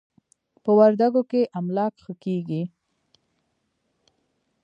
په وردکو کې املاک ښه کېږي.